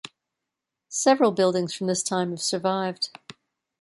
Several buildings from this time have survived.